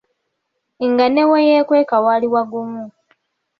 Nga ne we yeekweka waali wagumu.